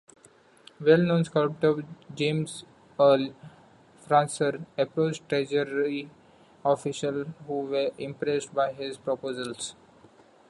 Well-known sculptor James Earle Fraser approached Treasury officials, who were impressed by his proposals.